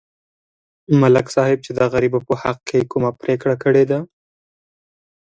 ملک صاحب چې د غریبو په حق کې کومه پرېکړه کړې ده